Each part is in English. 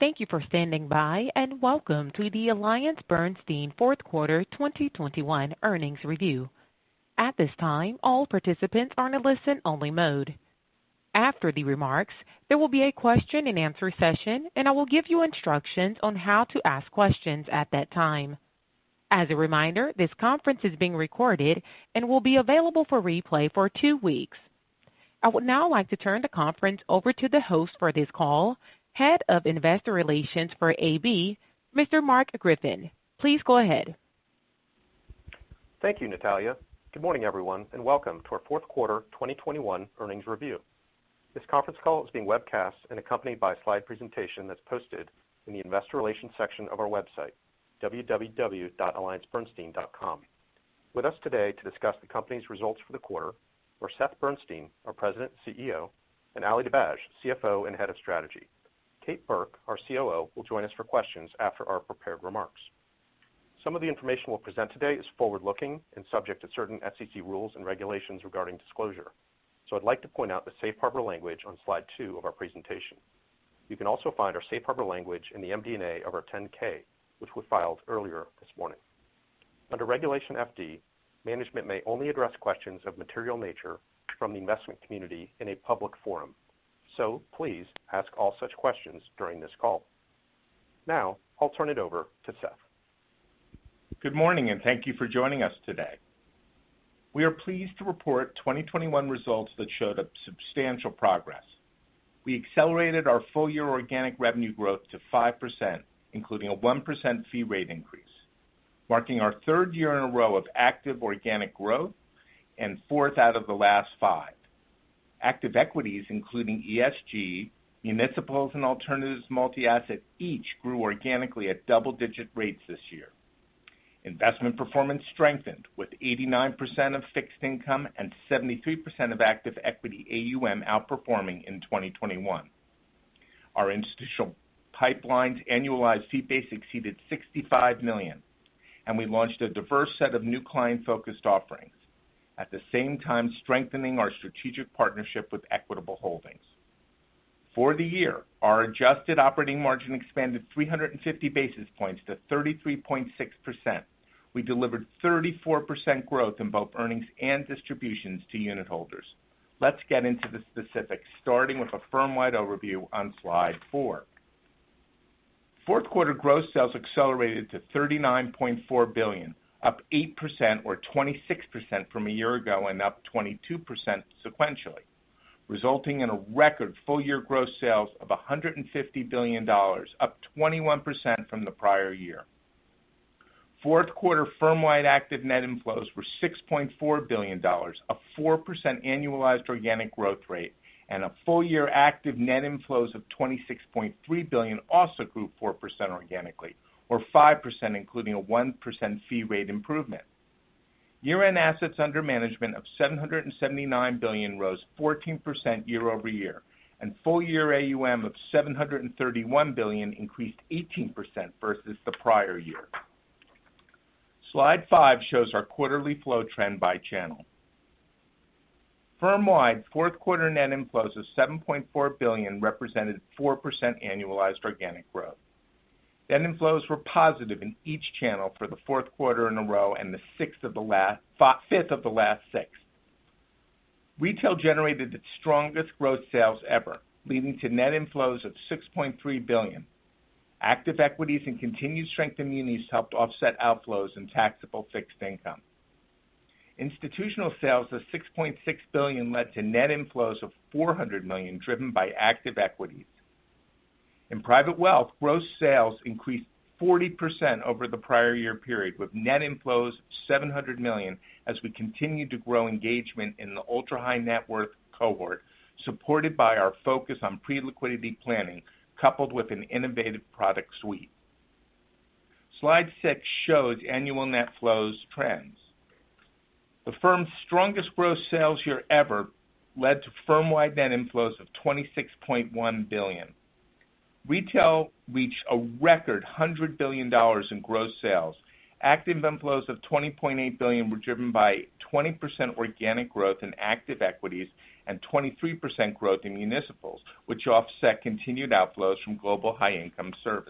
Thank you for standing by, and welcome to the AllianceBernstein Q4 2021 earnings review. At this time, all participants are in a listen-only mode. After the remarks, there will be a question-and-answer session, and I will give you instructions on how to ask questions at that time. As a reminder, this conference is being recorded and will be available for replay for two weeks. I would now like to turn the conference over to the host for this call, Head of Investor Relations for AB, Mr. Mark Griffin. Please go ahead. Thank you, Natalia. Good morning, everyone, and welcome to our Q4 2021 earnings review. This conference call is being webcast and accompanied by a slide presentation that's posted in the investor relations section of our website, www.alliancebernstein.com. With us today to discuss the company's results for the quarter are Seth Bernstein, our President and CEO, and Ali Dibaj, CFO and Head of Strategy. Kate Burke, our COO, will join us for questions after our prepared remarks. Some of the information we'll present today is forward-looking and subject to certain SEC rules and regulations regarding disclosure. I'd like to point out the safe harbor language on slide 2 of our presentation. You can also find our safe harbor language in the MD&A of our 10-K, which we filed earlier this morning. Under Regulation FD, management may only address questions of material nature from the investment community in a public forum. So please ask all such questions during this call. Now, I'll turn it over to Seth. Good morning, and thank you for joining us today. We are pleased to report 2021 results that showed a substantial progress. We accelerated our full-year organic revenue growth to 5%, including a 1% fee rate increase, marking our third year in a row of active organic growth and fourth out of the last five. Active equities, including ESG, municipals and alternatives multi-asset, each grew organically at double-digit rates this year. Investment performance strengthened with 89% of fixed income and 73% of active equity AUM outperforming in 2021. Our institutional pipeline's annualized fee base exceeded $65 million, and we launched a diverse set of new client-focused offerings, at the same time strengthening our strategic partnership with Equitable Holdings. For the year, our adjusted operating margin expanded 350 basis points to 33.6%. We delivered 34% growth in both earnings and distributions to unit holders. Let's get into the specifics, starting with a firm-wide overview on slide 4. Q4 gross sales accelerated to $39.4 billion, up 8% or 26% from a year ago and up 22% sequentially, resulting in a record full-year gross sales of $150 billion, up 21% from the prior year. Q4 firm-wide active net inflows were $6.4 billion, a 4% annualized organic growth rate, and a full-year active net inflows of $26.3 billion also grew 4% organically or 5% including a 1% fee rate improvement. Year-end assets under management of $779 billion rose 14% year-over-year, and full-year AUM of $731 billion increased 18% versus the prior year. Slide 5 shows our quarterly flow trend by channel. Firm-wide, Q4 net inflows of $7.4 billion represented 4% annualized organic growth. Net inflows were positive in each channel for the Q4 in a row and the fifth of the last six. Retail generated its strongest growth sales ever, leading to net inflows of $6.3 billion. Active equities and continued strength in munis helped offset outflows in taxable fixed income. Institutional sales of $6.6 billion led to net inflows of $400 million, driven by active equities. In private wealth, gross sales increased 40% over the prior year period, with net inflows $700 million as we continued to grow engagement in the ultra-high net worth cohort, supported by our focus on pre-liquidity planning, coupled with an innovative product suite. Slide 6 shows annual net flows trends. The firm's strongest gross sales year ever led to firm-wide net inflows of $26.1 billion. Retail reached a record $100 billion in gross sales. Active inflows of $20.8 billion were driven by 20% organic growth in active equities and 23% growth in municipals, which offset continued outflows from Global High Income Fund.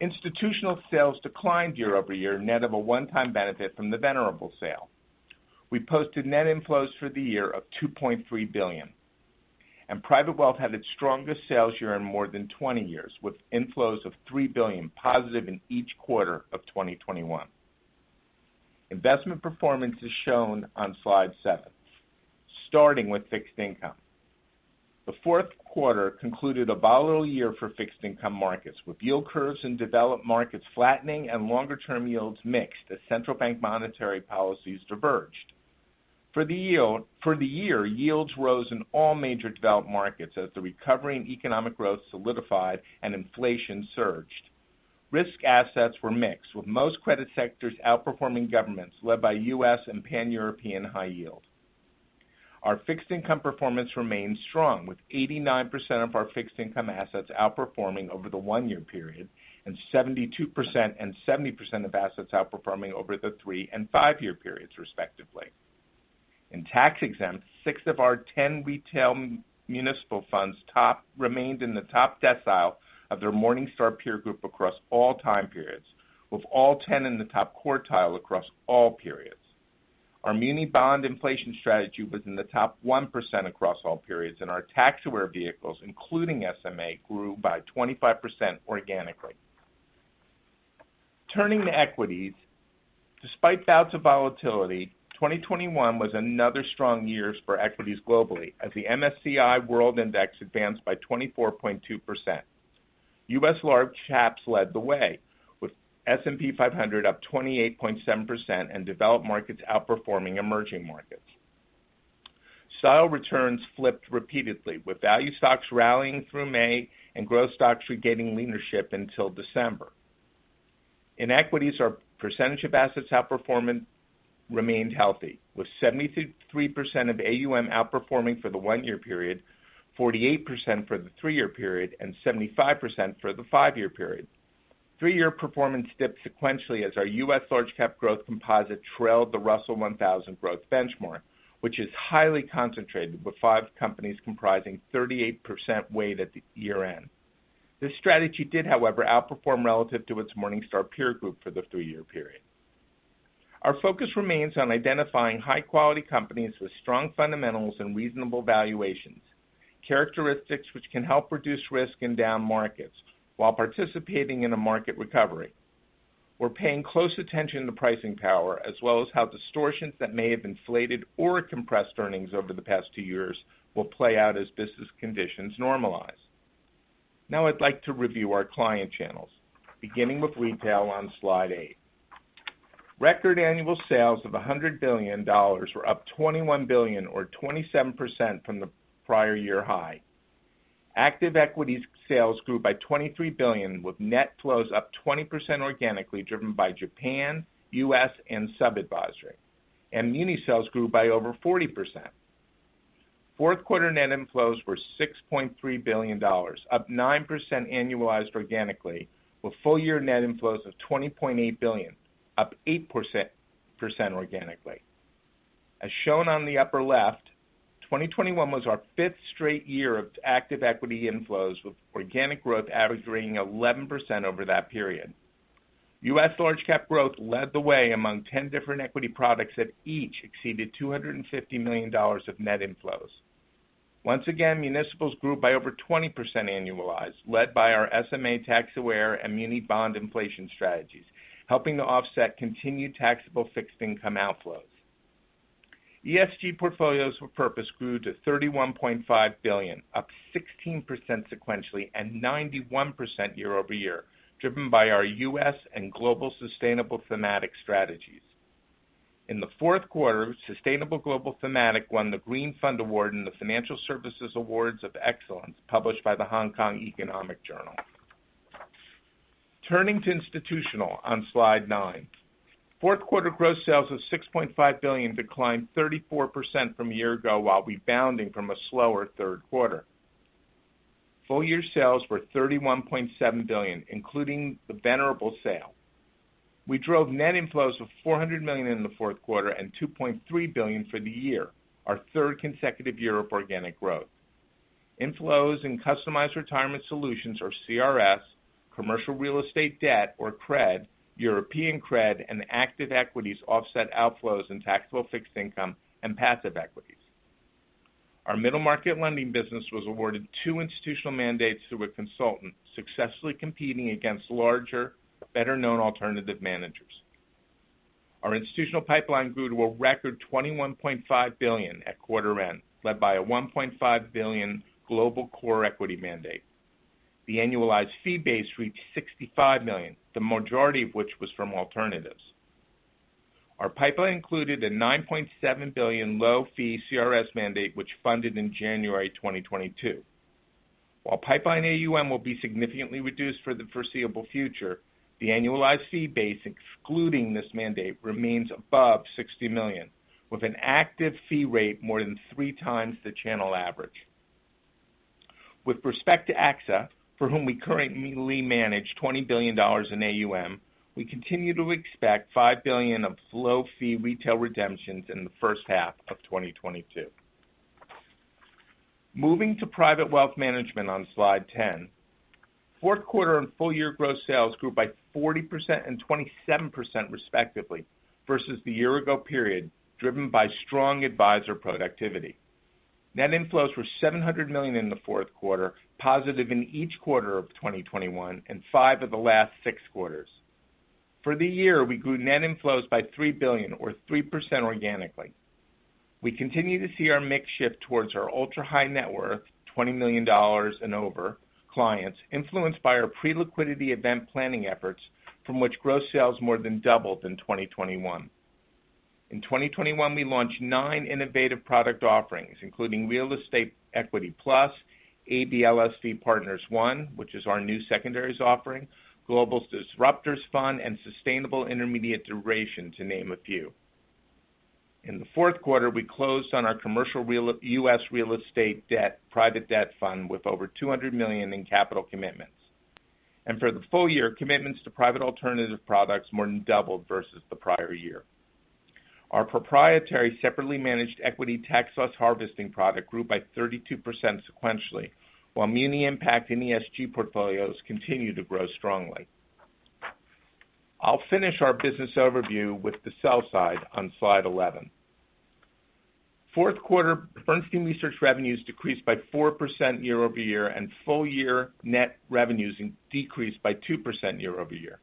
Institutional sales declined year-over-year net of a one-time benefit from the Venerable sale. We posted net inflows for the year of $2.3 billion, and private wealth had its strongest sales year in more than 20 years, with inflows of $3 billion positive in each quarter of 2021. Investment performance is shown on slide 7. Starting with fixed income. The Q4 concluded a volatile year for fixed income markets, with yield curves in developed markets flattening and longer-term yields mixed as central bank monetary policies diverged. For the year, yields rose in all major developed markets as the recovery in economic growth solidified and inflation surged. Risk assets were mixed, with most credit sectors outperforming governments, led by U.S. and Pan-European high yield. Our fixed income performance remains strong, with 89% of our fixed income assets outperforming over the one-year period, and 72% and 70% of assets outperforming over the three- and five-year periods, respectively. In tax exempt, 6 of our 10 retail municipal funds remained in the top decile of their Morningstar peer group across all time periods, with all 10 in the top quartile across all periods. Our Muni Bond Inflation Strategy was in the top 1% across all periods, and our tax aware vehicles, including SMA, grew by 25% organically. Turning to equities, despite bouts of volatility, 2021 was another strong year for equities globally as the MSCI World Index advanced by 24.2%. U.S. large caps led the way, with S&P 500 up 28.7% and developed markets outperforming emerging markets. Style returns flipped repeatedly, with value stocks rallying through May and growth stocks regaining leadership until December. In equities, our percentage of assets outperforming remained healthy, with 73% of AUM outperforming for the one-year period, 48% for the three-year period, and 75% for the five-year period. Three-year performance dipped sequentially as our U.S. Large Cap Growth composite trailed the Russell 1000 Growth benchmark, which is highly concentrated, with five companies comprising 38% weight at the year-end. This strategy did, however, outperform relative to its Morningstar peer group for the three-year period. Our focus remains on identifying high-quality companies with strong fundamentals and reasonable valuations, characteristics which can help reduce risk in down markets while participating in a market recovery. We are paying close attention to pricing power, as well as how distortions that may have inflated or compressed earnings over the past two years will play out as business conditions normalize. Now I'd like to review our client channels, beginning with retail on slide 8. Record annual sales of $100 billion were up $21 billion or 27% from the prior year high. Active equities sales grew by $23 billion, with net flows up 20% organically, driven by Japan, U.S., and sub-advisory. Muni sales grew by over 40%. Q4 net inflows were $6.3 billion, up 9% annualized organically, with full year net inflows of $20.8 billion, up 8% organically. As shown on the upper left, 2021 was our fifth straight year of active equity inflows, with organic growth averaging 11% over that period. U.S. Large Cap Growth led the way among 10 different equity products that each exceeded $250 million of net inflows. Once again, municipals grew by over 20% annualized, led by our SMA Tax Aware and muni bond inflation strategies, helping to offset continued taxable fixed income outflows. Portfolios with Purpose grew to $31.5 billion, up 16% sequentially and 91% year-over-year, driven by our U.S. and global sustainable thematic strategies. In the Q4, Sustainable Global Thematic won the Green Fund Award and the Financial Services Awards of Excellence, published by the Hong Kong Economic Journal. Turning to institutional on slide 9. Q4 gross sales of $6.5 billion declined 34% from a year ago while rebounding from a slower Q3. Full year sales were $31.7 billion, including the Venerable sale. We drove net inflows of $400 million in the Q4 and $2.3 billion for the year, our third consecutive year of organic growth. Inflows in customized retirement solutions or CRS, commercial real estate debt or CRED, European CRED, and active equities offset outflows in taxable fixed income and passive equities. Our Middle Market Lending business was awarded two institutional mandates through a consultant, successfully competing against larger, better-known alternative managers. Our institutional pipeline grew to a record $21.5 billion at quarter end, led by a $1.5 billion Global Core Equity mandate. The annualized fee base reached $65 million, the majority of which was from alternatives. Our pipeline included a $9.7 billion low fee CRS mandate, which funded in January 2022. While pipeline AUM will be significantly reduced for the foreseeable future, the annualized fee base, excluding this mandate, remains above $60 million, with an active fee rate more than 3 times the channel average. With respect to AXA, for whom we currently manage $20 billion in AUM, we continue to expect $5 billion of low fee retail redemptions in the first half of 2022. Moving to private wealth management on slide 10. Q4 and full year growth sales grew by 40% and 27% respectively versus the year ago period, driven by strong advisor productivity. Net inflows were $700 million in the Q4, positive in each quarter of 2021 and five of the last six quarters. For the year, we grew net inflows by $3 billion or 3% organically. We continue to see our mix shift towards our ultra-high net worth, $20 million and over, clients influenced by our pre-liquidity event planning efforts from which growth sales more than doubled in 2021. In 2021, we launched nine innovative product offerings, including Real Estate Equity Plus, AB LSV Partners One, which is our new secondaries offering, Global Disruptors Fund, and Sustainable Intermediate Duration, to name a few. In the Q4, we closed on our US real estate debt private debt fund with over $200 million in capital commitments. For the full year, commitments to private alternative products more than doubled versus the prior year. Our proprietary separately managed equity tax loss harvesting product grew by 32% sequentially, while Muni impact and ESG portfolios continue to grow strongly. I'll finish our business overview with the sell side on slide 11. Q4 Bernstein Research revenues decreased by 4% year-over-year, and full year net revenues decreased by 2% year-over-year.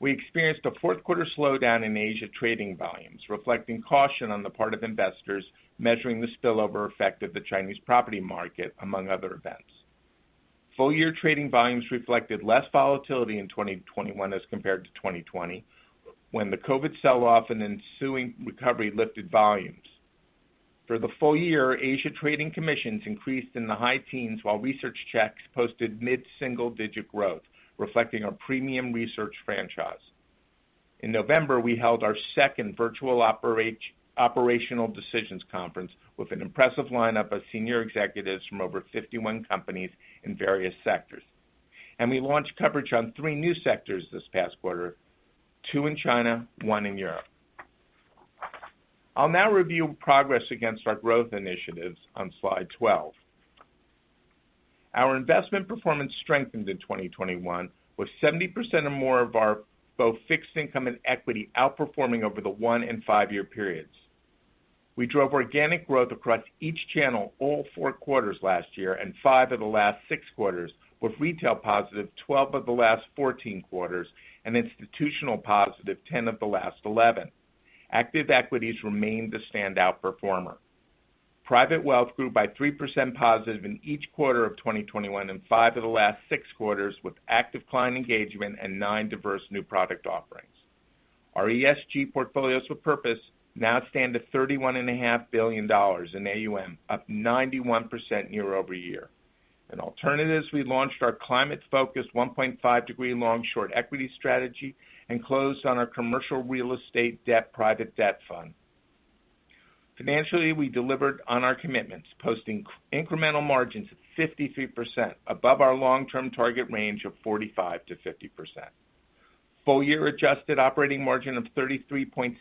We experienced a Q4 slowdown in Asia trading volumes, reflecting caution on the part of investors measuring the spillover effect of the Chinese property market, among other events. Full year trading volumes reflected less volatility in 2021 as compared to 2020, when the COVID sell off and ensuing recovery lifted volumes. For the full year, Asia trading commissions increased in the high teens, while research checks posted mid-single digit growth, reflecting our premium research franchise. In November, we held our second virtual operational decisions conference with an impressive lineup of senior executives from over 51 companies in various sectors. We launched coverage on 3 new sectors this past quarter, two in China, one in Europe. I'll now review progress against our growth initiatives on slide 12. Our investment performance strengthened in 2021, with 70% or more of our both fixed income and equity outperforming over the 1- and 5-year periods. We drove organic growth across each channel all Q4 last year, and five of the last six quarters, with retail +12 of the last 14 quarters, and institutional +10 of the last 11. Active equities remained the standout performer. Private wealth grew by 3% positive in each quarter of 2021, and five of the last six quarters with active client engagement and 9 diverse new product offerings. Our ESG Portfolios with Purpose now stand at $31 and a half billion in AUM, up 91% year-over-year. In alternatives, we launched our climate-focused 1.5 Degrees long-short equity strategy and closed on our commercial real estate debt private debt fund. Financially, we delivered on our commitments, posting incremental margins at 53% above our long-term target range of 45%-50%. Full year adjusted operating margin of 33.6%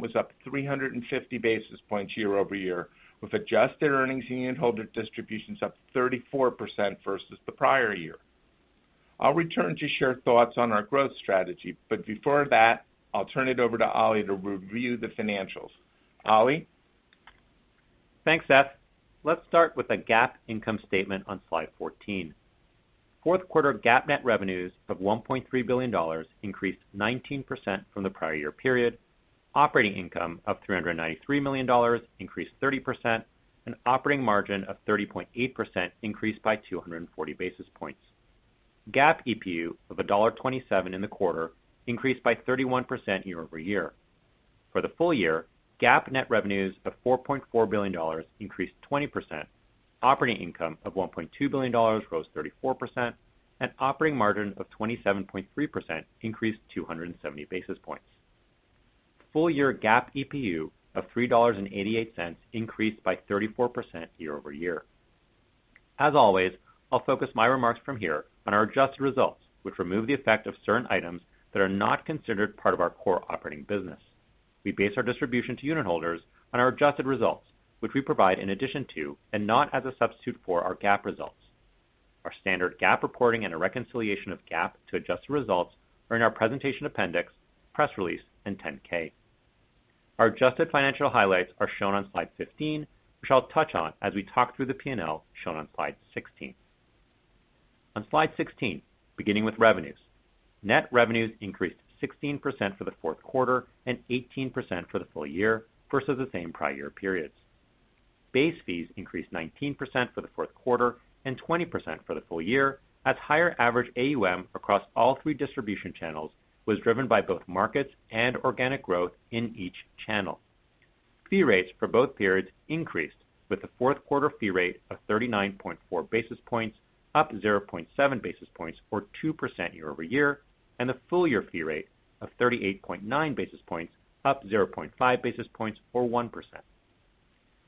was up 350 basis points year-over-year, with adjusted earnings and unitholder distributions up 34% versus the prior year. I'll return to share thoughts on our growth strategy, but before that, I'll turn it over to Ali to review the financials. Ali. Thanks, Seth. Let's start with the GAAP income statement on slide 14. Q4 GAAP net revenues of $1.3 billion increased 19% from the prior year period. Operating income of $393 million increased 30%, and operating margin of 30.8% increased by 240 basis points. GAAP EPU of $1.27 in the quarter increased by 31% year-over-year. For the full year, GAAP net revenues of $4.4 billion increased 20%, operating income of $1.2 billion rose 34%, and operating margin of 27.3% increased 270 basis points. Full year GAAP EPU of $3.88 increased by 34% year-over-year. As always, I'll focus my remarks from here on our adjusted results, which remove the effect of certain items that are not considered part of our core operating business. We base our distribution to unitholders on our adjusted results, which we provide in addition to and not as a substitute for our GAAP results. Our standard GAAP reporting and a reconciliation of GAAP to adjusted results are in our presentation appendix, press release and 10-K. Our adjusted financial highlights are shown on slide 15, which I'll touch on as we talk through the P&L shown on slide 16. On slide 16, beginning with revenues, net revenues increased 16% for the Q4 and 18% for the full year versus the same prior year periods. Base fees increased 19% for the Q4 and 20% for the full year, as higher average AUM across all three distribution channels was driven by both markets and organic growth in each channel. Fee rates for both periods increased, with the Q4 fee rate of 39.4 basis points up 0.7 basis points or 2% year over year, and the full year fee rate of 38.9 basis points up 0.5 basis points or 1%.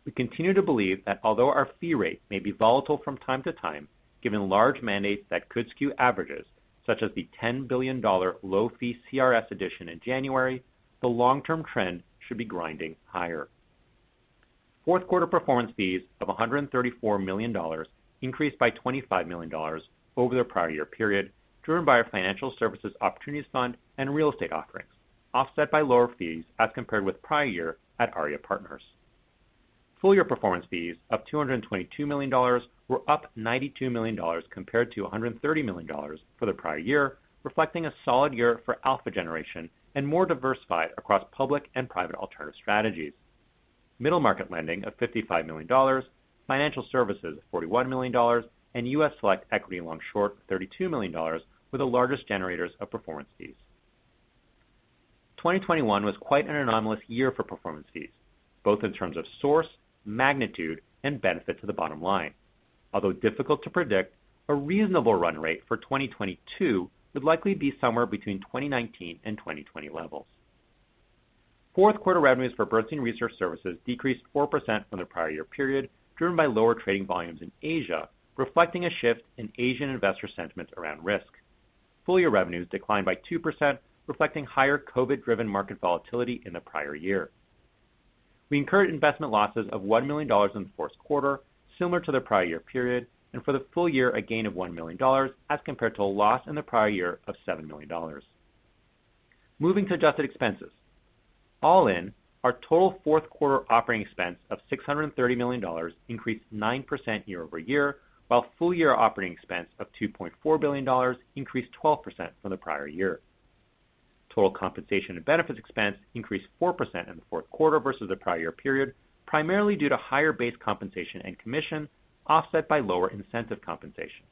We continue to believe that although our fee rate may be volatile from time to time, given large mandates that could skew averages such as the $10 billion low fee CRS edition in January, the long-term trend should be grinding higher. Q4 performance fees of $134 million increased by $25 million over the prior year period, driven by our Financial Services Opportunities Fund and real estate offerings, offset by lower fees as compared with prior year at AB Arya Partners. Full year performance fees of $222 million were up $92 million compared to $130 million for the prior year, reflecting a solid year for alpha generation and more diversified across public and private alternative strategies. Middle Market Lending of $55 million, Financial Services of $41 million, and US Select Equity Long/Short of $32 million were the largest generators of performance fees. 2021 was quite an anomalous year for performance fees, both in terms of source, magnitude, and benefit to the bottom line. Although difficult to predict, a reasonable run rate for 2022 would likely be somewhere between 2019 and 2020 levels. Q4 revenues for Bernstein Research services decreased 4% from the prior year period, driven by lower trading volumes in Asia, reflecting a shift in Asian investor sentiment around risk. Full year revenues declined by 2%, reflecting higher COVID-19-driven market volatility in the prior year. We incurred investment losses of $1 million in the Q4, similar to the prior year period, and for the full year, a gain of $1 million as compared to a loss in the prior year of $7 million. Moving to adjusted expenses. All in, our total Q4 operating expense of $630 million increased 9% year-over-year, while full year operating expense of $2.4 billion increased 12% from the prior year. Total compensation and benefits expense increased 4% in the Q4 versus the prior year period, primarily due to higher base compensation and commission, offset by lower incentive compensation.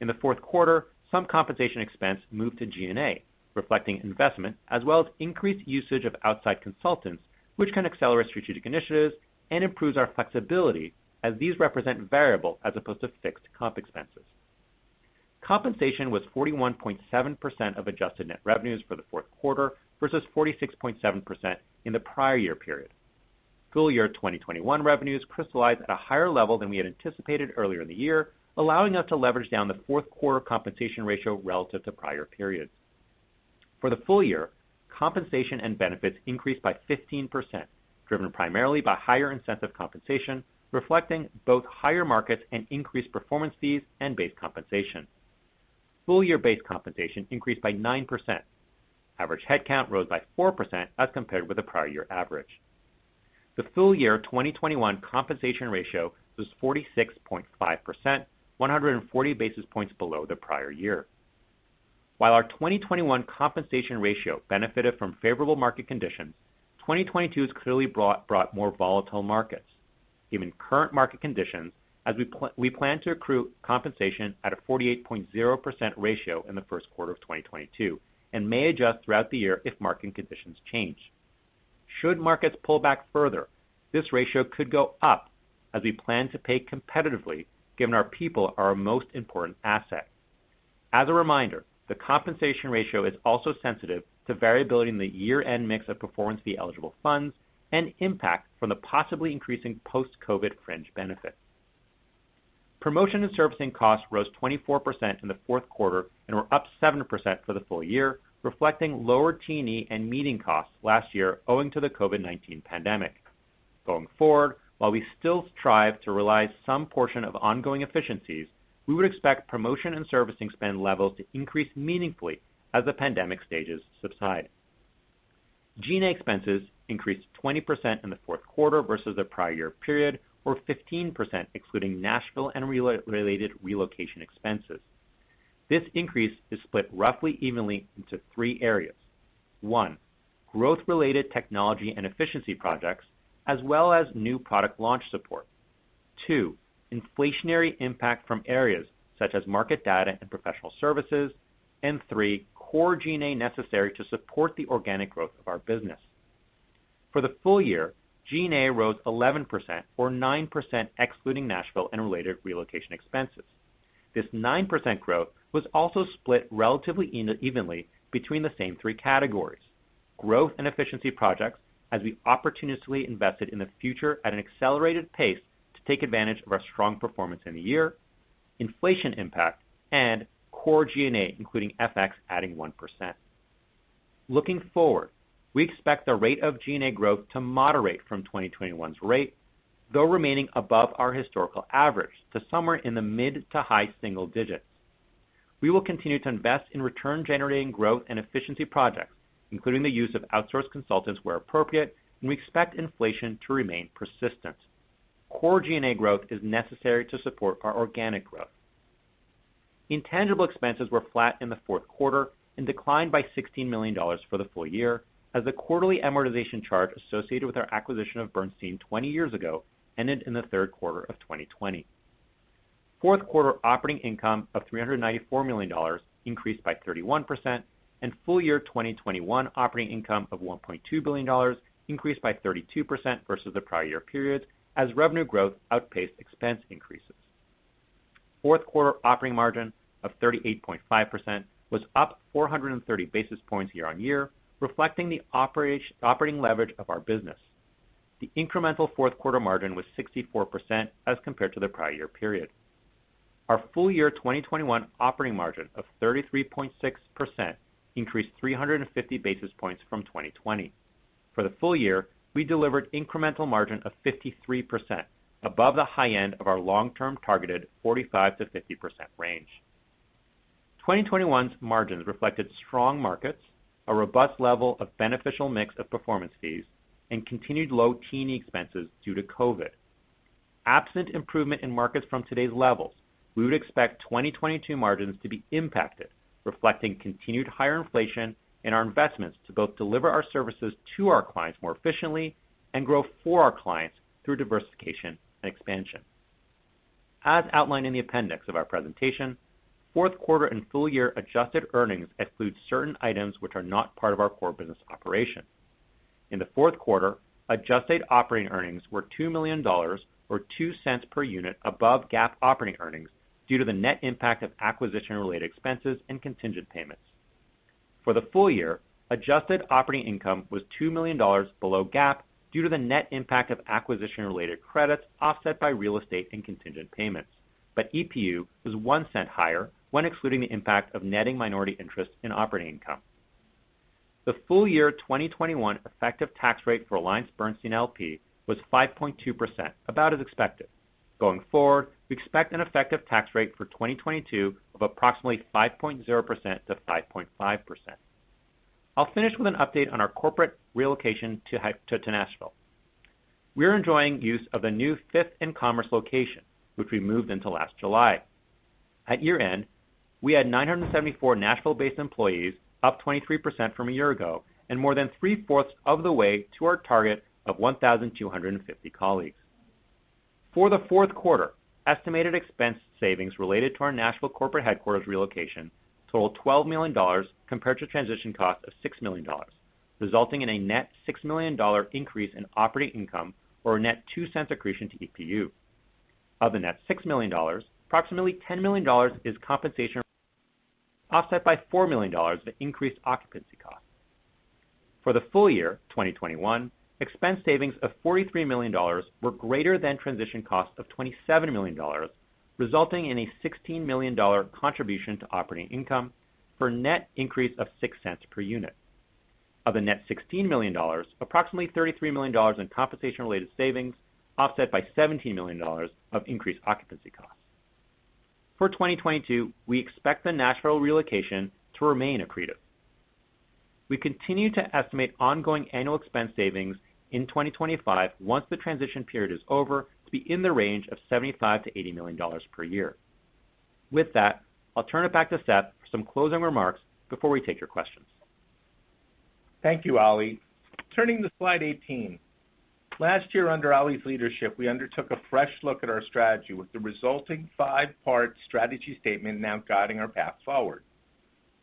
In the Q4, some compensation expense moved to G&A, reflecting investment as well as increased usage of outside consultants, which can accelerate strategic initiatives and improves our flexibility as these represent variable as opposed to fixed comp expenses. Compensation was 41.7% of adjusted net revenues Q4 versus 46.7% in the prior year period. Full year 2021 revenues crystallized at a higher level than we had anticipated earlier in the year, allowing us to leverage down the Q4 compensation ratio relative to prior periods. For the full year, compensation and benefits increased by 15%, driven primarily by higher incentive compensation, reflecting both higher markets and increased performance fees and base compensation. Full year base compensation increased by 9%. Average headcount rose by 4% as compared with the prior year average. The full year 2021 compensation ratio was 46.5%, 140 basis points below the prior year. While our 2021 compensation ratio benefited from favorable market conditions, 2022 has clearly brought more volatile markets. Given current market conditions, as we plan to accrue compensation at a 48.0% ratio in the Q1 of 2022, and may adjust throughout the year if market conditions change. Should markets pull back further, this ratio could go up as we plan to pay competitively given our people are our most important asset. As a reminder, the compensation ratio is also sensitive to variability in the year-end mix of performance fee eligible funds and impact from the possibly increasing post-COVID fringe benefits. Promotion and servicing costs rose 24% in the Q4 and were up 7% for the full year, reflecting lower T&E and meeting costs last year owing to the COVID-19 pandemic. Going forward, while we still strive to realize some portion of ongoing efficiencies, we would expect promotion and servicing spend levels to increase meaningfully as the pandemic stages subside. G&A expenses increased 20% in the Q4 versus the prior year period, or 15% excluding Nashville and related relocation expenses. This increase is split roughly evenly into three areas. One, growth-related technology and efficiency projects, as well as new product launch support. Two, inflationary impact from areas such as market data and professional services. And three, core G&A necessary to support the organic growth of our business. For the full year, G&A rose 11% or 9% excluding Nashville and related relocation expenses. This 9% growth was also split relatively evenly between the same three categories, growth and efficiency projects as we opportunistically invested in the future at an accelerated pace to take advantage of our strong performance in the year, inflation impact, and core G&A, including FX adding 1%. Looking forward, we expect the rate of G&A growth to moderate from 2021's rate, though remaining above our historical average to somewhere in the mid- to high-single digits. We will continue to invest in return generating growth and efficiency projects, including the use of outsourced consultants where appropriate, and we expect inflation to remain persistent. Core G&A growth is necessary to support our organic growth. Intangible expenses were flat in the Q4 and declined by $60 million for the full year as the quarterly amortization charge associated with our acquisition of Bernstein 20 years ago ended in the Q3 of 2020. Q4 operating income of $394 million increased by 31%, and full-year 2021 operating income of $1.2 billion increased by 32% versus the prior year period as revenue growth outpaced expense increases. Q4 operating margin of 38.5% was up 430 basis points year on year, reflecting the operating leverage of our business. The incremental Q4 margin was 64% as compared to the prior year period. Our full year 2021 operating margin of 33.6% increased 350 basis points from 2020. For the full year, we delivered incremental margin of 53% above the high end of our long-term targeted 45%-50% range. 2021's margins reflected strong markets, a robust level of beneficial mix of performance fees, and continued low T&E expenses due to COVID-19. Absent improvement in markets from today's levels, we would expect 2022 margins to be impacted, reflecting continued higher inflation and our investments to both deliver our services to our clients more efficiently and grow for our clients through diversification and expansion. As outlined in the appendix of our presentation, Q4 and full year adjusted earnings exclude certain items which are not part of our core business operations. In the Q4, adjusted operating earnings were $2 million or $0.02 per unit above GAAP operating earnings due to the net impact of acquisition-related expenses and contingent payments. For the full year, adjusted operating income was $2 million below GAAP due to the net impact of acquisition-related credits offset by real estate and contingent payments. EPU was $0.01 higher when excluding the impact of netting minority interest in operating income. The full year 2021 effective tax rate for AllianceBernstein L.P. was 5.2%, about as expected. Going forward, we expect an effective tax rate for 2022 of approximately 5.0%-5.5%. I'll finish with an update on our corporate relocation to Nashville. We are enjoying use of the new Fifth and Commerce location, which we moved into last July. At year-end, we had 974 Nashville-based employees, up 23% from a year ago, and more than three-fourths of the way to our target of 1,250 colleagues. For the Q4, estimated expense savings related to our Nashville corporate headquarters relocation totaled $12 million compared to transition costs of $6 million, resulting in a net $6 million increase in operating income or a net $0.02 accretion to EPU. Of the net $6 million, approximately $10 million is compensation offset by $4 million of increased occupancy costs. For the full year 2021, expense savings of $43 million were greater than transition costs of $27 million, resulting in a $16 million contribution to operating income for a net increase of $0.06 per unit. Of the net $16 million, approximately $33 million in compensation-related savings, offset by $17 million of increased occupancy costs. For 2022, we expect the Nashville relocation to remain accretive. We continue to estimate ongoing annual expense savings in 2025 once the transition period is over, to be in the range of $75 million-$80 million per year. With that, I'll turn it back to Seth for some closing remarks before we take your questions. Thank you, Ali. Turning to slide 18. Last year under Ali's leadership, we undertook a fresh look at our strategy with the resulting 5-part strategy statement now guiding our path forward.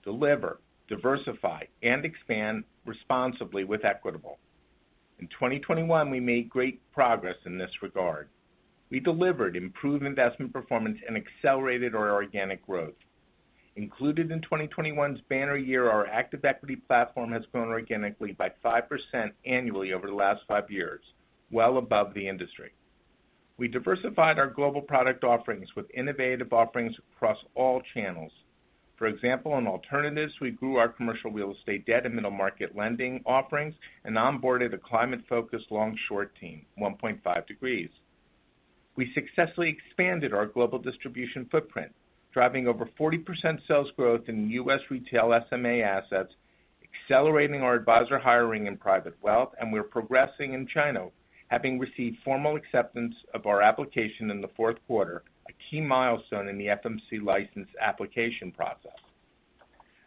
Deliver, diversify, and expand responsibly with Equitable. In 2021, we made great progress in this regard. We delivered improved investment performance and accelerated our organic growth. Included in 2021's banner year, our active equity platform has grown organically by 5% annually over the last 5 years, well above the industry. We diversified our global product offerings with innovative offerings across all channels. For example, in alternatives, we grew our commercial real estate debt and Middle Market Lending offerings and onboarded a climate-focused long-short team, 1.5 Degrees. We successfully expanded our global distribution footprint, driving over 40% sales growth in U.S. retail SMA assets, accelerating our advisor hiring in private wealth, and we are progressing in China, having received formal acceptance of our application in the Q4, a key milestone in the FMC license application process.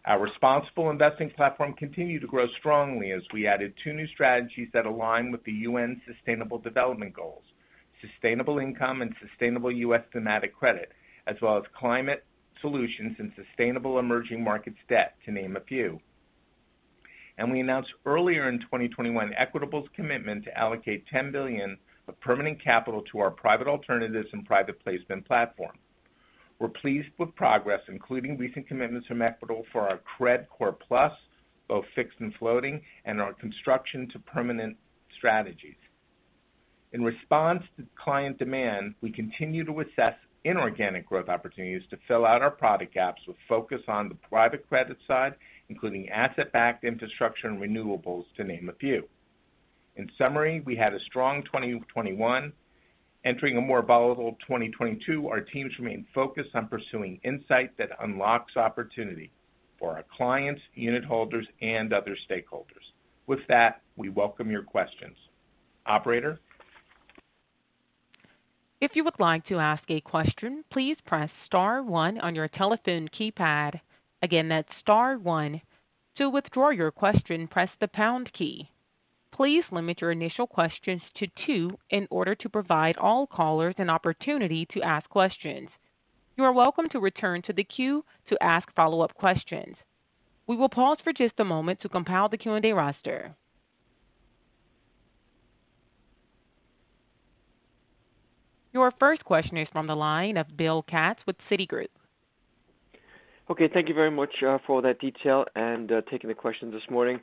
Our responsible investing platform continued to grow strongly as we added two new strategies that align with the UN Sustainable Development Goals, Sustainable Income and Sustainable U.S. Thematic, as well as Climate Solutions and Sustainable Emerging Markets Debt, to name a few. We announced earlier in 2021, Equitable's commitment to allocate $10 billion of permanent capital to our private alternatives and private placement platform. We are pleased with progress, including recent commitments from Equitable for our Cred Corp Plus, both fixed and floating, and our Construction-to-Permanent strategies. In response to client demand, we continue to assess inorganic growth opportunities to fill out our product gaps with focus on the private credit side, including asset-backed infrastructure and renewables, to name a few. In summary, we had a strong 2021. Entering a more volatile 2022, our teams remain focused on pursuing insight that unlocks opportunity for our clients, unit holders, and other stakeholders. With that, we welcome your questions. Operator? If you would like to ask a question, please press star one on your telephone keypad. Again, that's star one. To withdraw your question, press the pound key. Please limit your initial questions to two in order to provide all callers an opportunity to ask questions. You are welcome to return to the queue to ask follow-up questions. We will pause for just a moment to compile the Q&A roster. Your first question is from the line of Bill Katz with Citigroup. Okay, thank you very much for all that detail and taking the question this morning.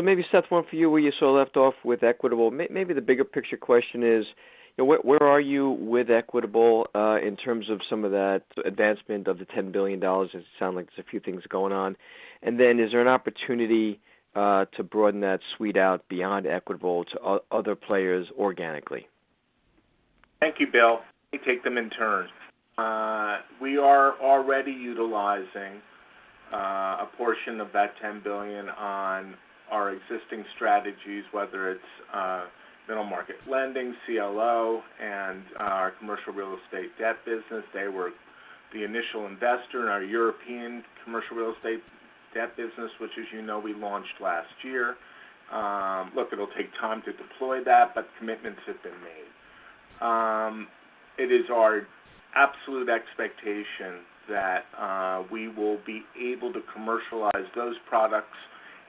Maybe, Seth, one for you, where you sort of left off with Equitable. Maybe the bigger picture question is, you know, where are you with Equitable in terms of some of that advancement of the $10 billion? It sound like there's a few things going on. Then is there an opportunity to broaden that suite out beyond Equitable to other players organically? Thank you, Bill. Let me take them in turn. We are already utilizing a portion of that $10 billion on our existing strategies, whether it's Middle Market Lending, CLO, and our commercial real estate debt business. They were the initial investor in our European Commercial Real Estate Debt business, which, as you know, we launched last year. Look, it'll take time to deploy that, but commitments have been made. It is our absolute expectation that we will be able to commercialize those products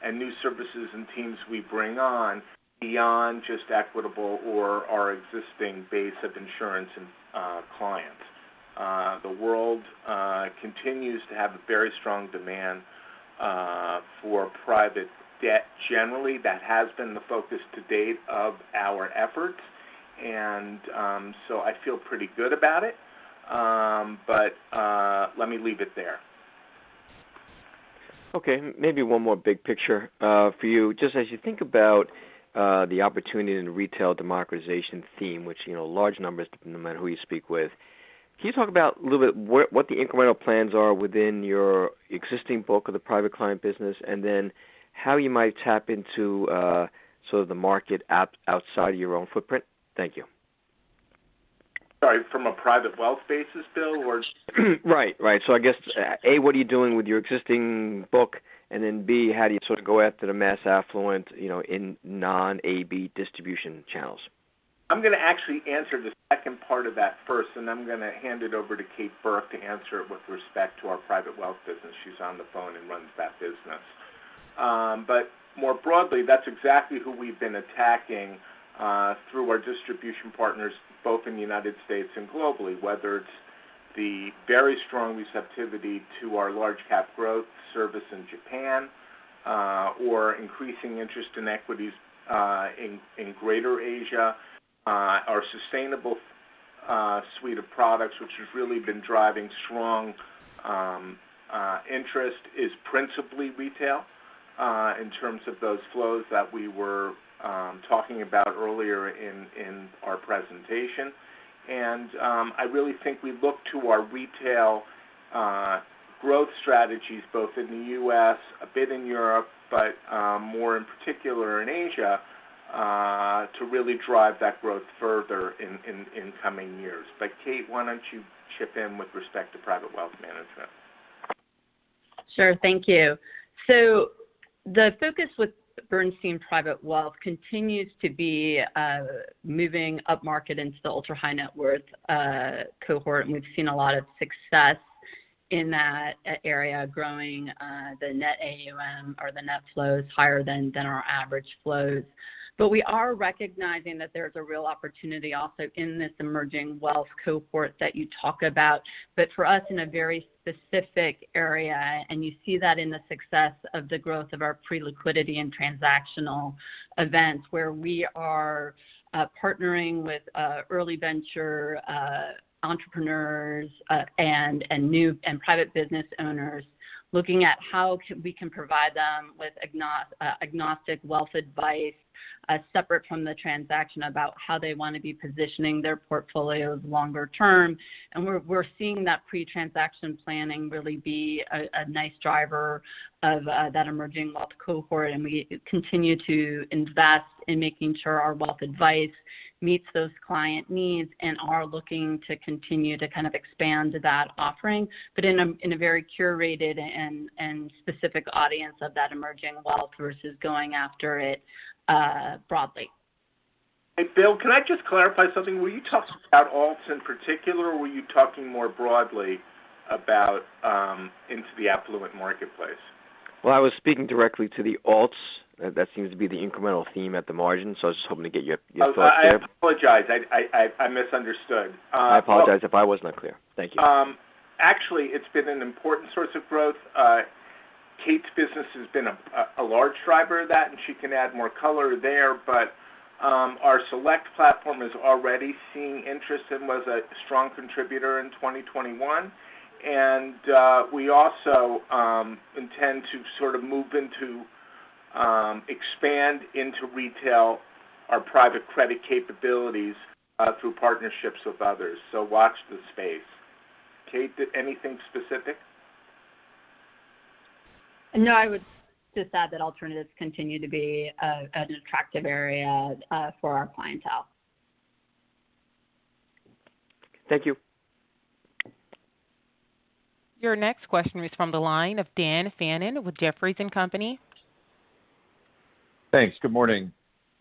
and new services and teams we bring on beyond just Equitable or our existing base of insurance and clients. The world continues to have a very strong demand for private debt generally. That has been the focus to date of our efforts. So I feel pretty good about it. Let me leave it there. Okay. Maybe one more big picture for you. Just as you think about the opportunity in retail democratization theme, which, you know, large numbers, no matter who you speak with. Can you talk about a little bit what the incremental plans are within your existing book of the private client business, and then how you might tap into sort of the market outside your own footprint? Thank you. Sorry, from a private wealth basis, Bill. Right. Right. I guess, A, what are you doing with your existing book? And then, B, how do you sort of go after the mass affluent, you know, in non-AB distribution channels? I'm gonna actually answer the second part of that first, and then I'm gonna hand it over to Kate Burke to answer it with respect to our private wealth business. She's on the phone and runs that business. More broadly, that's exactly who we've been attracting through our distribution partners, both in the United States and globally, whether it's the very strong receptivity to our Large Cap Growth service in Japan, or increasing interest in equities in Greater Asia. Our sustainable suite of products, which has really been driving strong interest, is principally retail in terms of those flows that we were talking about earlier in our presentation. I really think we look to our retail growth strategies both in the U.S., a bit in Europe, but more in particular in Asia, to really drive that growth further in coming years. Kate, why don't you chip in with respect to private wealth management? Sure. Thank you. The focus with Bernstein Private Wealth continues to be moving upmarket into the ultra-high net worth cohort, and we've seen a lot of success in that area, growing the net AUM or the net flows higher than our average flows. We are recognizing that there's a real opportunity also in this emerging wealth cohort that you talk about, but for us, in a very specific area, and you see that in the success of the growth of our pre-liquidity and transactional events, where we are partnering with early venture entrepreneurs and new and private business owners, looking at how we can provide them with agnostic wealth advice separate from the transaction about how they wanna be positioning their portfolios longer term. We are seeing that pre-transaction planning really be a nice driver of that emerging wealth cohort, and we continue to invest in making sure our wealth advice meets those client needs and are looking to continue to kind of expand that offering, but in a very curated and specific audience of that emerging wealth versus going after it broadly. Hey, Bill, can I just clarify something? Were you talking about alts in particular, or were you talking more broadly about into the affluent marketplace? Well, I was speaking directly to the alts. That seems to be the incremental theme at the margin. I was just hoping to get your thoughts there. Oh, I apologize. I misunderstood. I apologize if I was not clear. Thank you. Actually, it's been an important source of growth. Kate's business has been a large driver of that, and she can add more color there. Our select platform is already seeing interest and was a strong contributor in 2021. We also intend to sort of expand into retail our private credit capabilities through partnerships with others. Watch this space. Kate, anything specific? No, I would just add that alternatives continue to be an attractive area for our clientele. Thank you. Your next question is from the line of Dan Fannon with Jefferies & Company. Thanks. Good morning.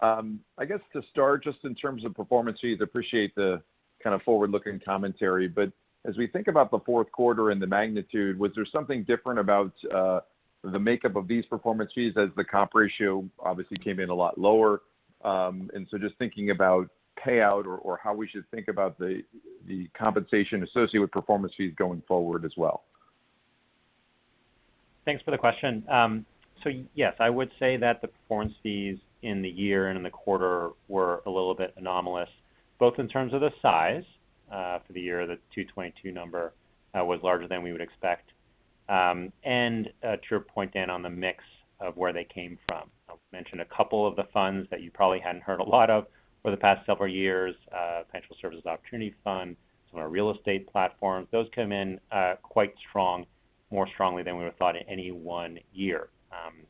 I guess to start, just in terms of performance fees, appreciate the kind of forward-looking commentary. As we think about the Q4 and the magnitude, was there something different about the makeup of these performance fees as the comp ratio obviously came in a lot lower? Just thinking about payout or how we should think about the compensation associated with performance fees going forward as well. Thanks for the question. Yes, I would say that the performance fees in the year and in the quarter were a little bit anomalous, both in terms of the size, for the year, the 2022 number, was larger than we would expect, and to your point, Dan, on the mix of where they came from. I've mentioned a couple of the funds that you probably hadn't heard a lot of for the past several years, Financial Services Opportunity Fund, some of our real estate platforms. Those come in, quite strong, more strongly than we would have thought in any one year.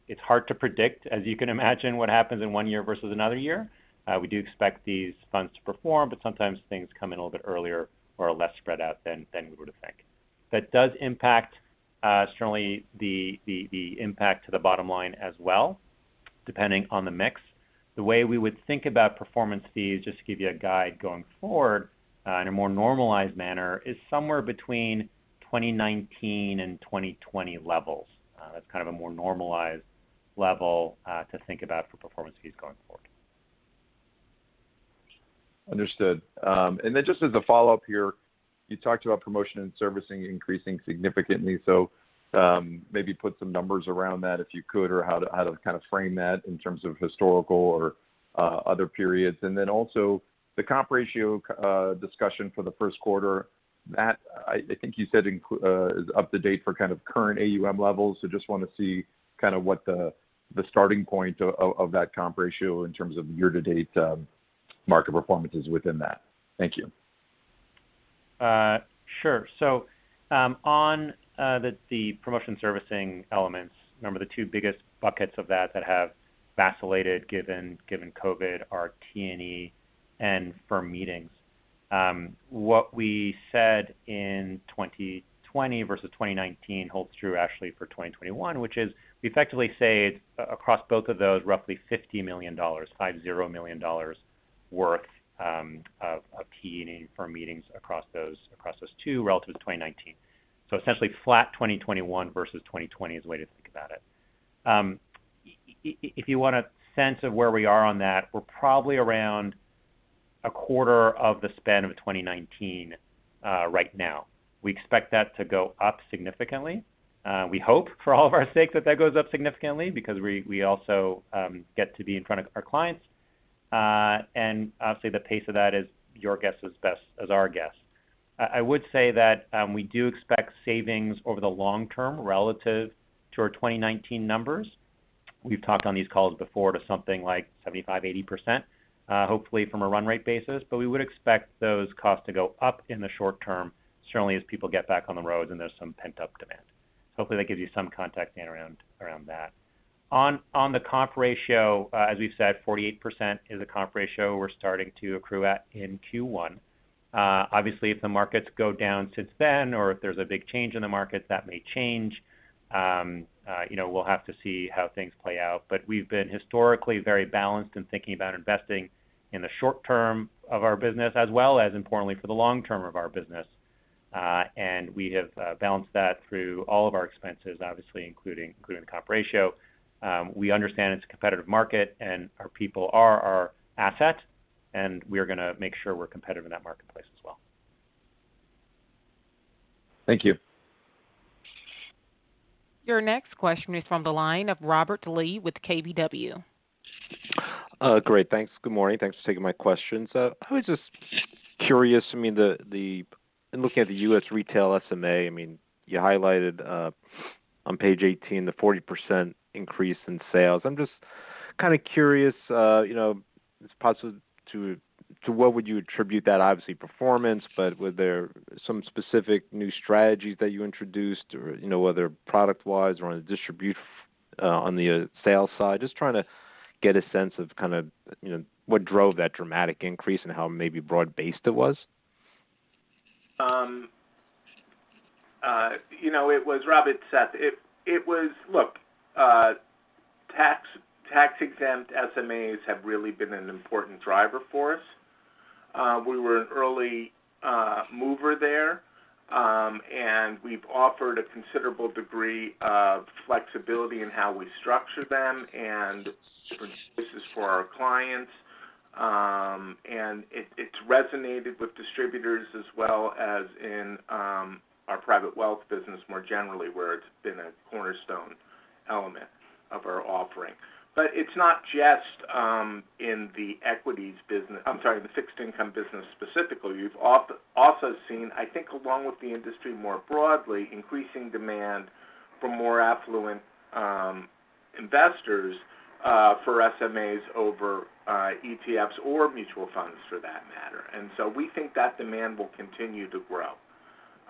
It's hard to predict, as you can imagine, what happens in one year versus another year. We do expect these funds to perform, but sometimes things come in a little bit earlier or are less spread out than we would have thought. That does impact certainly the impact to the bottom line as well. Depending on the mix, the way we would think about performance fees, just to give you a guide going forward, in a more normalized manner, is somewhere between 2019 and 2020 levels. That's kind of a more normalized level to think about for performance fees going forward. Understood. Just as a follow-up here, you talked about promotion and servicing increasing significantly. Maybe put some numbers around that if you could, or how to kind of frame that in terms of historical or other periods. Also the comp ratio discussion for the Q1, that I think you said is up to date for kind of current AUM levels. Just wanna see kind of what the starting point of that comp ratio in terms of year to date market performance is within that. Thank you. Sure. On the promotion servicing elements, remember the two biggest buckets of that that have vacillated given COVID are T&E and firm meetings. What we said in 2020 versus 2019 holds true actually for 2021, which is we effectively saved across both of those, roughly $50 million, $50 million worth of T&E and firm meetings across those two relative to 2019. Essentially flat 2021 versus 2020 is the way to think about it. If you want a sense of where we are on that, we're probably around a quarter of the spend of 2019 right now. We expect that to go up significantly. We hope for all of our sake that that goes up significantly because we also get to be in front of our clients. Obviously, the pace of that is your guess is as good as our guess. I would say that we do expect savings over the long term relative to our 2019 numbers. We've talked on these calls before to something like 75%-80%, hopefully from a run rate basis. We would expect those costs to go up in the short term, certainly as people get back on the road and there's some pent-up demand. Hopefully, that gives you some context around that. On the comp ratio, as we've said, 48% is the comp ratio we are starting to accrue at in Q1. Obviously, if the markets go down since then or if there's a big change in the markets, that may change. You know, we'll have to see how things play out. We've been historically very balanced in thinking about investing in the short term of our business as well as importantly for the long term of our business. We have balanced that through all of our expenses, obviously including comp ratio. We understand it's a competitive market, and our people are our asset, and we're gonna make sure we're competitive in that marketplace as well. Thank you. Your next question is from the line of Robert Lee with KBW. Good morning. Thanks for taking my questions. I was just curious, I mean, in looking at the U.S. retail SMA, I mean, you highlighted on page 18 the 40% increase in sales. I'm just kind of curious, you know, to what would you attribute that obviously performance, but were there some specific new strategies that you introduced or, you know, whether product-wise or on the distribution, on the sales side? Just trying to get a sense of kind of, you know, what drove that dramatic increase and how maybe broad-based it was. You know, it was Robert, Seth. Look, tax-exempt SMAs have really been an important driver for us. We were an early mover there, and we've offered a considerable degree of flexibility in how we structure them and different uses for our clients. It has resonated with distributors as well as in our private wealth business more generally, where it's been a cornerstone element of our offering. But it's not just in the equities business. I'm sorry, the fixed income business specifically. You've also seen, I think along with the industry more broadly, increasing demand for more affluent investors for SMAs over ETFs or mutual funds for that matter. We think that demand will continue to grow,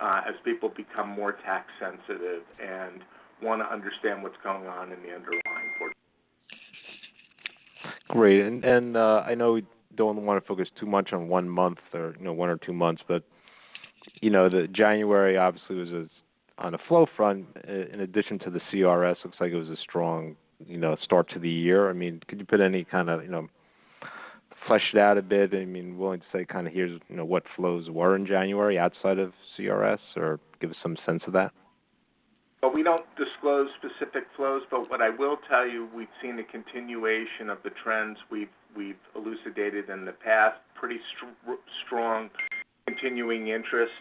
as people become more tax sensitive and wanna understand what's going on in the underlying portfolio. Great. I know we don't wanna focus too much on one month or, you know, one or two months, but, you know, the January obviously was on the flow front, in addition to the CRS, looks like it was a strong, you know, start to the year. I mean, could you put any kind of, you know, flesh it out a bit? I mean, willing to say kinda here's, you know, what flows were in January outside of CRS or give us some sense of that. Well, we don't disclose specific flows, but what I will tell you, we've seen the continuation of the trends we've elucidated in the past. Pretty strong continuing interest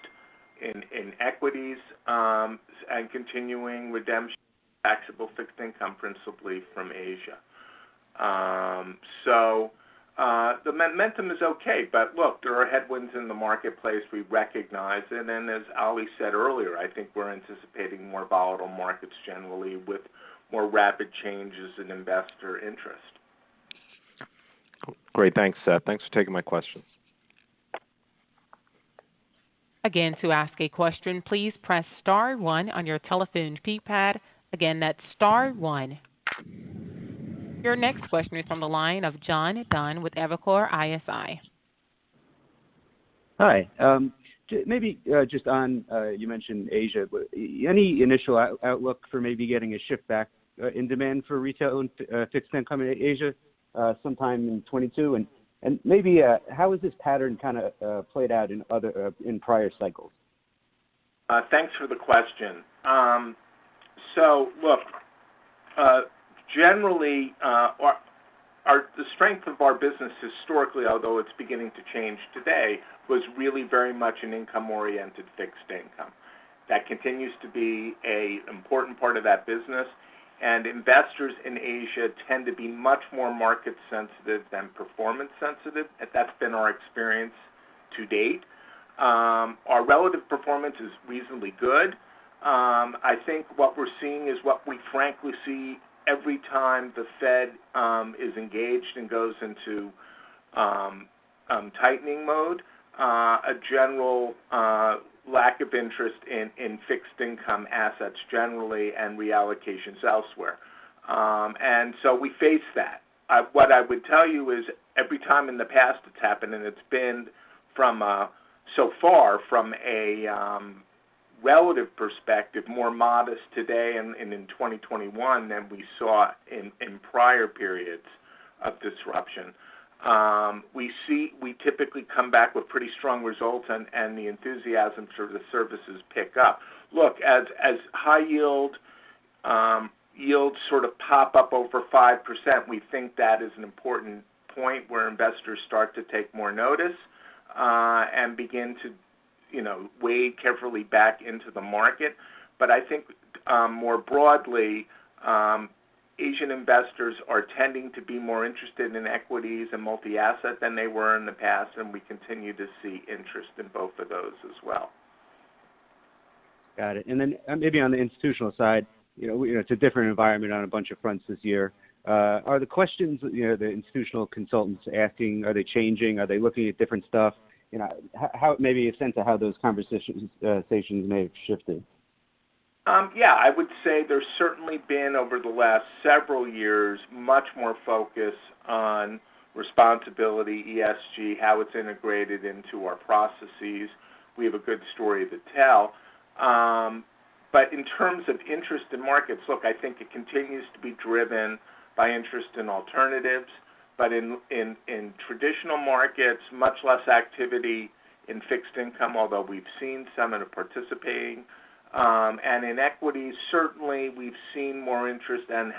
in equities, and continuing redemption taxable fixed income, principally from Asia. The momentum is okay, but look, there are headwinds in the marketplace we recognize. Then as Ali said earlier, I think we're anticipating more volatile markets generally with more rapid changes in investor interest. Great. Thanks, Seth. Thanks for taking my questions. Your next question is on the line of John Dunn with Evercore ISI. Hi. Maybe just on, you mentioned Asia, any initial outlook for maybe getting a shift back in demand for retail and fixed income in Asia sometime in 2022? Maybe how has this pattern kinda played out in other prior cycles? Thanks for the question. So look, generally, the strength of our business historically, although it's beginning to change today, was really very much an income-oriented fixed income. That continues to be a important part of that business, and investors in Asia tend to be much more market sensitive than performance sensitive. That's been our experience to date. Our relative performance is reasonably good. I think what we're seeing is what we frankly see every time the Fed is engaged and goes into tightening mode, a general lack of interest in fixed income assets generally and reallocations elsewhere. We face that. What I would tell you is every time in the past it's happened, and it's been from so far from a relative perspective, more modest today and in 2021 than we saw in prior periods of disruption. We typically come back with pretty strong results and the enthusiasm for the services pick up. Look, as high yield yields sort of pop up over 5%, we think that is an important point where investors start to take more notice and begin to, you know, wade carefully back into the market. I think, more broadly, Asian investors are tending to be more interested in equities and multi-asset than they were in the past, and we continue to see interest in both of those as well. Got it. Maybe on the institutional side, you know, it's a different environment on a bunch of fronts this year. Are the questions, you know, the institutional consultants asking, changing? Are they looking at different stuff? You know, maybe a sense of how those conversations or situations may have shifted. Yeah. I would say there's certainly been, over the last several years, much more focus on responsibility, ESG, how it's integrated into our processes. We have a good story to tell. In terms of interest in markets, look, I think it continues to be driven by interest in alternatives, but in traditional markets, much less activity in fixed income, although we've seen some that are participating. In equities, certainly we've seen more interest and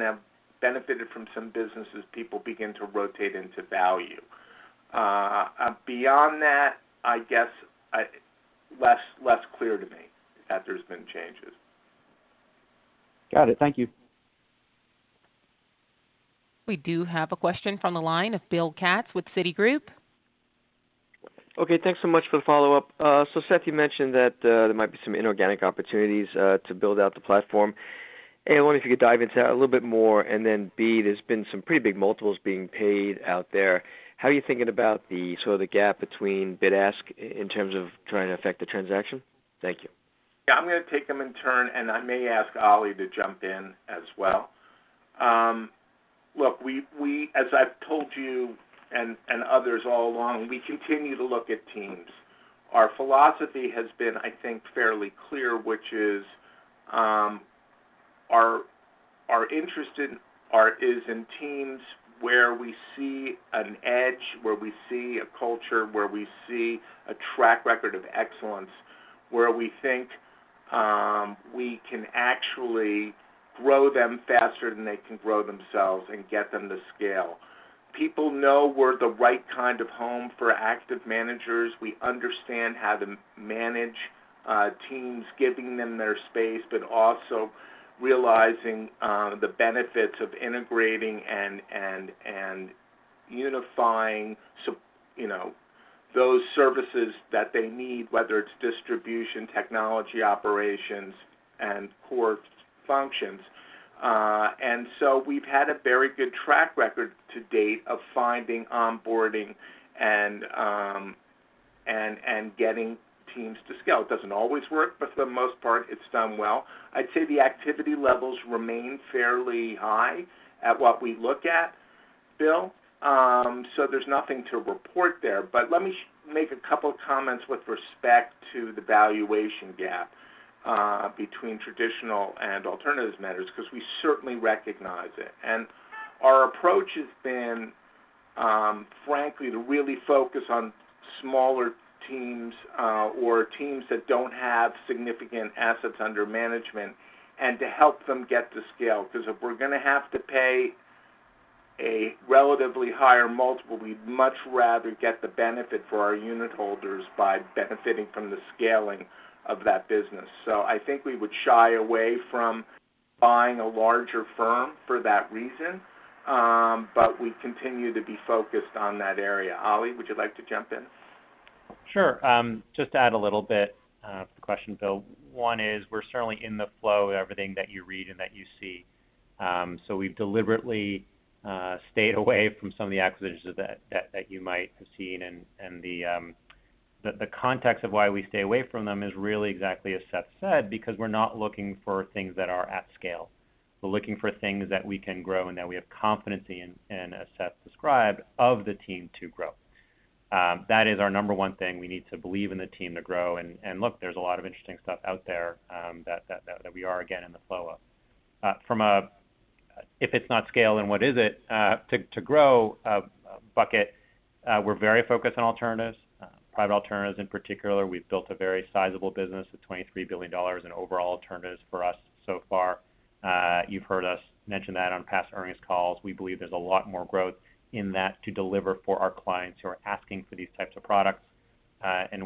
have benefited from some businesses, people begin to rotate into value. Beyond that, I guess it's less clear to me that there's been changes. Got it. Thank you. We do have a question from the line of Bill Katz with Citigroup. Okay. Thanks so much for the follow-up. So Seth, you mentioned that there might be some inorganic opportunities to build out the platform. A, I wonder if you could dive into that a little bit more. And then B, there's been some pretty big multiples being paid out there. How are you thinking about the sort of gap between bid-ask in terms of trying to affect the transaction? Thank you. Yeah, I'm gonna take them in turn, and I may ask Ali to jump in as well. Look, as I've told you and others all along, we continue to look at teams. Our philosophy has been, I think, fairly clear, which is our interest is in teams where we see an edge, where we see a culture, where we see a track record of excellence, where we think we can actually grow them faster than they can grow themselves and get them to scale. People know we're the right kind of home for active managers. We understand how to manage teams, giving them their space, but also realizing the benefits of integrating and unifying, you know, those services that they need, whether it's distribution, technology, operations, and core functions. We've had a very good track record to date of finding, onboarding, and getting teams to scale. It doesn't always work, but for the most part, it's done well. I'd say the activity levels remain fairly high at what we look at, Bill. There's nothing to report there. But let me make a couple comments with respect to the valuation gap between traditional and alternatives matters because we certainly recognize it. Our approach has been, frankly, to really focus on smaller teams or teams that don't have significant assets under management and to help them get to scale. Because if we're gonna have to pay a relatively higher multiple, we'd much rather get the benefit for our unit holders by benefiting from the scaling of that business. I think we would shy away from buying a larger firm for that reason, but we continue to be focused on that area. Ali, would you like to jump in? Sure. Just to add a little bit to the question, Bill. One is we're certainly in the flow of everything that you read and that you see. So we've deliberately stayed away from some of the acquisitions that you might have seen, and the context of why we stay away from them is really exactly as Seth said, because we're not looking for things that are at scale. We're looking for things that we can grow and that we have competency in, and as Seth described, of the team to grow. That is our number one thing. We need to believe in the team to grow. Look, there's a lot of interesting stuff out there that we are again in the flow of. From "If it's not scale, then what is it" to the growth bucket, we're very focused on alternatives, private alternatives in particular. We've built a very sizable business with $23 billion in overall alternatives for us so far. You've heard us mention that on past earnings calls. We believe there's a lot more growth in that to deliver for our clients who are asking for these types of products.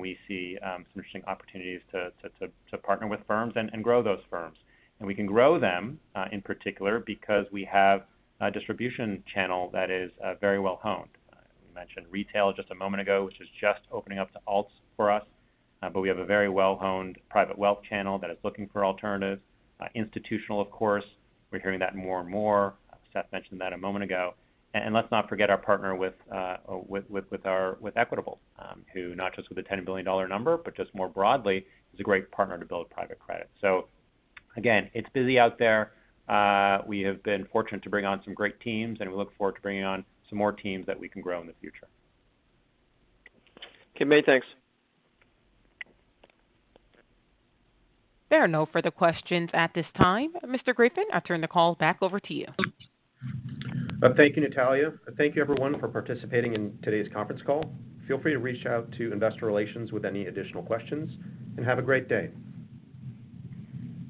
We see some interesting opportunities to partner with firms and grow those firms. We can grow them in particular because we have a distribution channel that is very well-honed. We mentioned retail just a moment ago, which is just opening up to alts for us, but we have a very well-honed private wealth channel that is looking for alternatives. Institutional, of course, we're hearing that more and more. Seth mentioned that a moment ago. Let's not forget our partner with Equitable, who not just with a $10 billion number, but just more broadly, is a great partner to build private credit. Again, it's busy out there. We have been fortunate to bring on some great teams, and we look forward to bringing on some more teams that we can grow in the future. Okay. Many thanks. There are no further questions at this time. Mr. Griffin, I turn the call back over to you. Thank you, Natalia. Thank you everyone for participating in today's conference call. Feel free to reach out to Investor Relations with any additional questions, and have a great day.